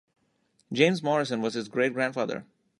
James Morrison was his great-grandfather.